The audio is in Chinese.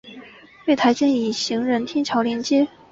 月台间以行人天桥连接。